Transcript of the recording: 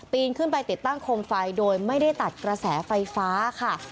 นขึ้นไปติดตั้งโคมไฟโดยไม่ได้ตัดกระแสไฟฟ้าค่ะ